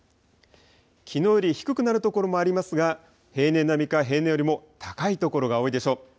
きのうより低くなる所もありますが、平年並みか、平年よりも高い所が多いでしょう。